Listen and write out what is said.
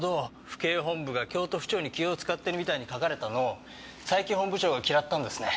府警本部が京都府庁に気を使ってるみたいに書かれたのを佐伯本部長が嫌ったんですね。